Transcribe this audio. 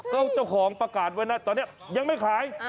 ก็เจ้าของประกาศไว้นะตอนนี้ยังไม่ขาย